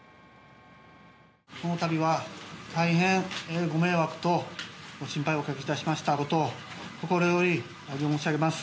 このたびは大変ご迷惑とご心配をおかけしましたことを心よりお詫びを申し上げます。